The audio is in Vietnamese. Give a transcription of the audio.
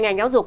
ngành giáo dục